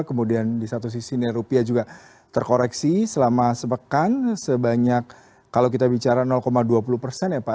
kemudian di satu sisi nilai rupiah juga terkoreksi selama sepekan sebanyak kalau kita bicara dua puluh persen ya pak